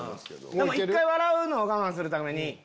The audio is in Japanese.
１回笑うのを我慢するために。